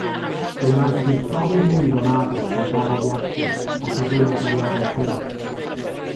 Fe wnaeth fuddsoddi mwy mewn addysg a gofal iechyd a chyflwyno toriadau treth.